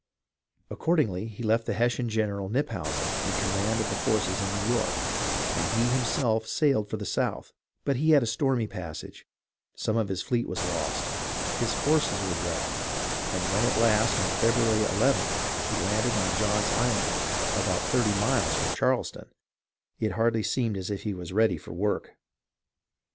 Accordingly, he left the Hessian general, Knyphausen, in command of the forces in New York, and he himself sailed for the South ; but he had a stormy passage, some of his fleet was lost, his horses were drowned, and when at last on February i ith he landed on John's Island, about thirty miles from Charleston, it hardly seemed as if he was ready for work.